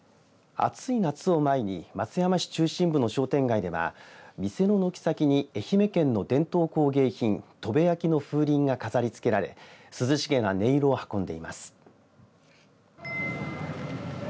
暑い夏を前に松山市中心部の商店街では店の軒先に愛媛県の伝統工芸品砥部焼の風鈴が飾り付けられ涼しげな音色を運んでいます。